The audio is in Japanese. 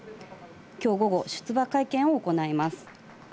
今日午後、出馬会見を行います。